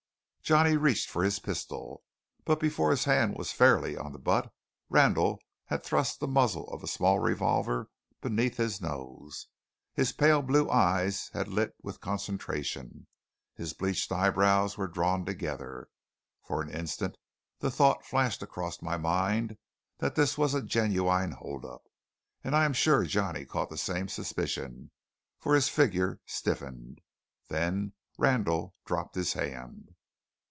Johnny reached for his pistol, but before his hand was fairly on the butt, Randall had thrust the muzzle of a small revolver beneath his nose. His pale blue eyes had lit with concentration, his bleached eyebrows were drawn together. For an instant the thought flashed across my mind that this was a genuine hold up; and I am sure Johnny caught the same suspicion, for his figure stiffened. Then Randall dropped his hand.